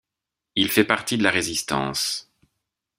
Il fait partie de la Résistance.